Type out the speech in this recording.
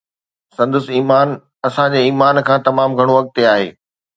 سندس ايمان اسان جي ايمان کان تمام گهڻو اڳتي آهي